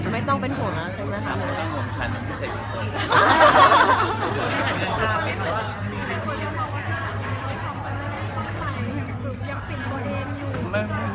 ไม่ต้องเป็นห่วงแล้วใช่ไหมคะ